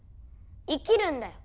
生きるんだよ